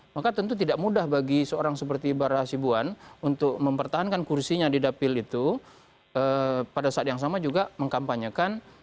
maka tentu tidak mudah bagi seorang seperti bara sibuan untuk mempertahankan kursinya di dapil itu pada saat yang sama juga mengkampanyekan orang yang tidak disukai oleh